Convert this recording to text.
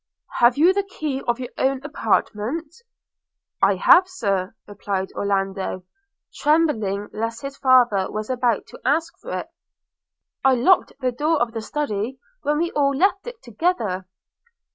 'Have you the key of your own apartment?' 'I have, Sir,' replied Orlando, trembling lest his father was about to ask for it. 'I locked the door of the Study when we all left it together.'